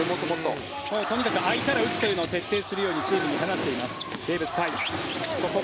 とにかく空いたら打つというのを徹底するようにとチームに話しています。